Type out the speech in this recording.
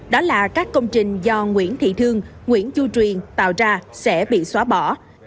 đó là các công trình do nguyễn thị thương nguyễn chu truyền tạo ra sẽ bị xóa bỏ